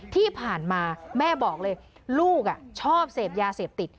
ที่ผ่านมาแม่บอกเลยลูกชอบเสพยาเสพติด